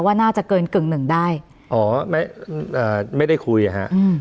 ว่าน่าจะเกินกึ่งหนึ่งได้อ๋อไม่อ่าไม่ได้คุยอ่ะฮะอืม